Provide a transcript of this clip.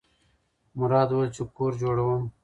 مراد وویل چې کور جوړوم.